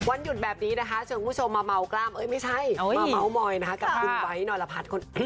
วันหยุดแบบนี้เชิงผู้ชมมาเผากล้ามไม่ใช่มาเผาหมอยกับคุณแบตหน่อละพัฒน์